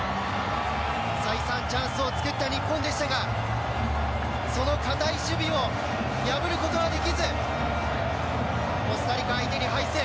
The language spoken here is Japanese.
再三チャンスを作った日本でしたがその堅い守備を破ることはできずコスタリカ相手に敗戦。